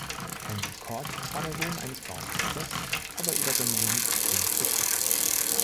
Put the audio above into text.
Henry Cort war der Sohn eines Baumeisters, aber über seine Jugend ist wenig bekannt.